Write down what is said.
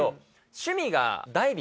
趣味が。